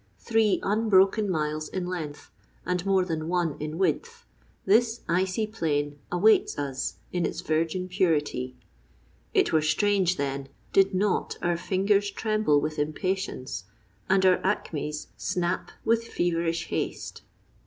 Three unbroken miles in length, and more than one in width, this icy plain awaits us in its virgin purity. It were strange, then, did not our fingers tremble with impatience and our acmes snap with feverish haste.